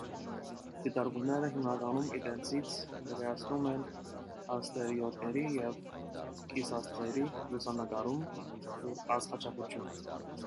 Դիտարկումները հիմնականում իրենցից ներկայացնում են աստերոիդների և գիսաստղերի լուսանկարումն ու աստղաչափությունը։